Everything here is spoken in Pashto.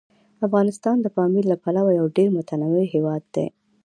افغانستان د پامیر له پلوه یو ډېر متنوع هیواد دی.